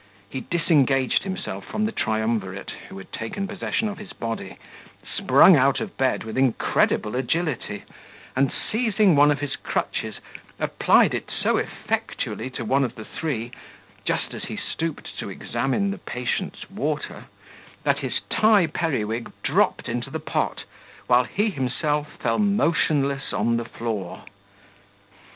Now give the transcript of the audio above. He disengaged himself from the triumvirate, who had taken possession of his body, sprung out of bed with incredible agility, and, seizing one of his crutches, applied it so effectually to one of the three, just as he stooped to examine the patient's water, that his tie periwig dropped into the pot, while he himself fell motionless on the floor.